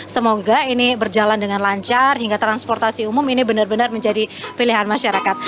semoga ini berjalan dengan lancar hingga transportasi umum ini benar benar menjadi pilihan masyarakat